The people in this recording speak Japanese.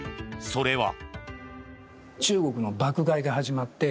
それは。